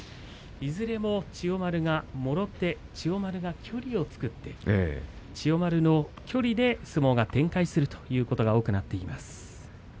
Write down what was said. いずれも千代丸、もろ手で距離を作って千代丸の距離で相撲が展開するということが多くなっています。